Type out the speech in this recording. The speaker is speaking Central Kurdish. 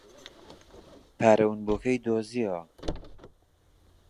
پارە ونبووەکەی دۆزییەوە.